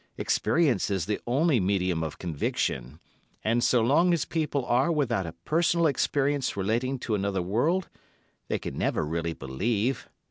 Experience is the only medium of conviction, and so long as people are without a personal experience relating to another world, they can never really believe.